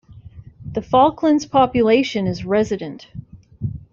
The Falklands population is resident.